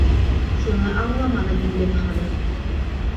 Шуны аңламаны Диңгеҙханы.